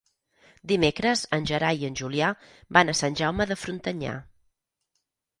Dimecres en Gerai i en Julià van a Sant Jaume de Frontanyà.